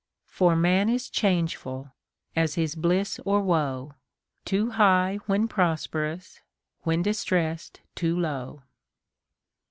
For man is changeful, as his bliss or woe ; Too high when prosperous, when distress'd too low.